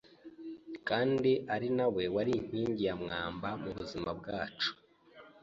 kandi ari na we wari inkingi ya mwamba mu buzima bwacu